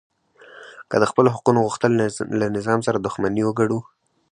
که د خپلو حقونو غوښتل له نظام سره دښمني وګڼو